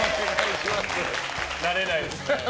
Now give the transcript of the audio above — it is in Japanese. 慣れないですね。